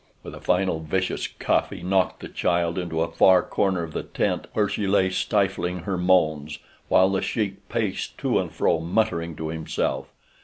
With a final vicious cuff he knocked the child into a far corner of the tent, where she lay stifling her moans, while The Sheik paced to and fro muttering to himself.